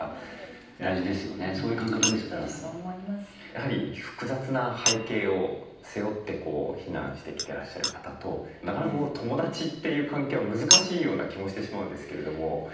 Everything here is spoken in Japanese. やはり複雑な背景を背負って避難してきてらっしゃる方となかなか友達っていう関係は難しいような気もしてしまうんですけれども。